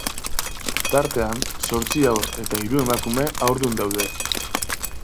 Tartean, zortzi haur eta hiru emakume haurdun daude.